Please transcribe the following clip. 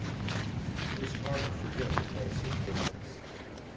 It is hard to forget repulsive things.